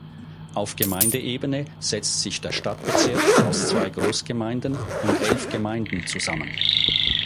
Auf Gemeindeebene setzt sich der Stadtbezirk aus zwei Großgemeinden und elf Gemeinden zusammen.